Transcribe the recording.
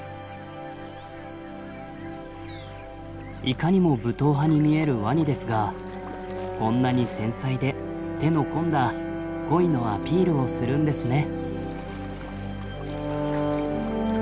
いかにも武闘派に見えるワニですがこんなに繊細で手の込んだ恋のアピールをするんですね。